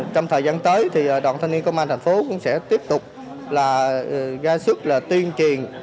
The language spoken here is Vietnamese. trong thời gian tới đoàn thanh niên công an thành phố cũng sẽ tiếp tục ra sức tuyên truyền